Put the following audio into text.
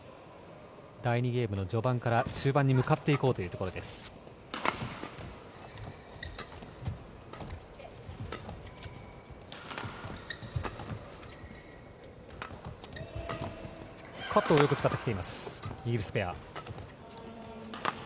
第２ゲームの序盤から中盤に向かっていこうというところです。